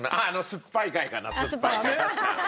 酸っぱい回かな酸っぱい回確か。